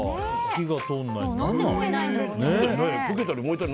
何で燃えないんだろうね。